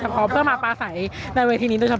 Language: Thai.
อย่างที่บอกไปว่าเรายังยึดในเรื่องของข้อเรียกร้อง๓ข้อ